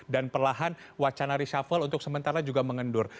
perlahan wacana reshuffle untuk sementara juga mengendur